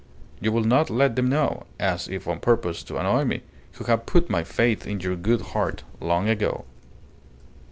You will not let them know, as if on purpose to annoy me, who have put my faith in your good heart long ago."